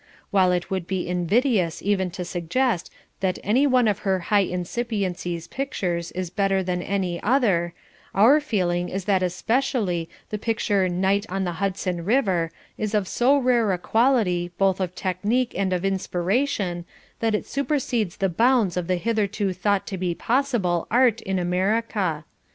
While it would be invidious even to suggest that any one of Her High Incipiency's pictures is better than any other, our feeling is that especially the picture Night on the Hudson River is of so rare a quality both of technique and of inspiration that it supersedes the bounds of the hitherto thought to be possible art in America.